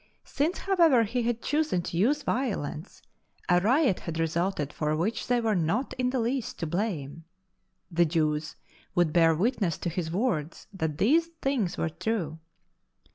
Since, however, he had chosen 103 : 104 LIFE OF ST. to use violence, a riot had resulted for which thej/ were not in the least to blame. The Jews would bear witness to his w'ords that these things were true.